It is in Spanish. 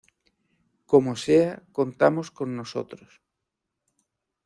Como sea contamos con nosotros.